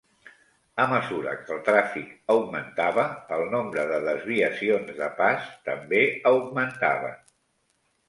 A mesura que el tràfic augmentava, el nombre de desviacions de pas també augmentaven.